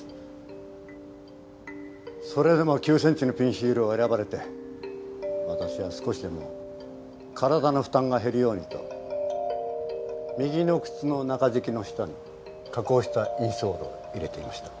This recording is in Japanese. それでも９センチのピンヒールを選ばれて私は少しでも体の負担が減るようにと右の靴の中敷きの下に加工したインソールを入れていました。